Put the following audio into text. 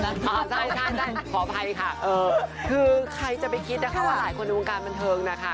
ใช่ใช่ขออภัยค่ะคือใครจะไปคิดนะคะว่าหลายคนในวงการบันเทิงนะคะ